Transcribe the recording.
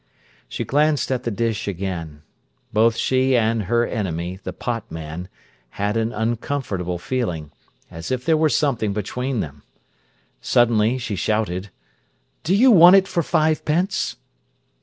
She glanced at the dish again. Both she and her enemy, the pot man, had an uncomfortable feeling, as if there were something between them. Suddenly he shouted: "Do you want it for fivepence?"